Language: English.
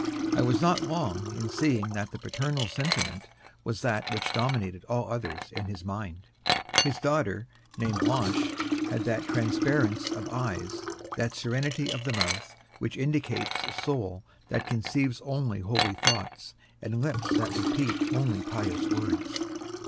I was not long in seeing that the paternal sentiment was that which dominated all others in his mind. His daughter, named Blanche, had that transparence of eyes, that serenity of the mouth, which indicates a soul that conceives only holy thoughts and lips that repeat only pious words.